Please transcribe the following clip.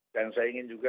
dan saya ingin juga